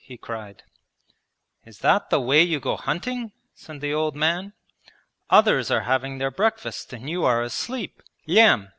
he cried. 'Is that the way you go hunting?' said the old man. 'Others are having their breakfast and you are asleep! Lyam!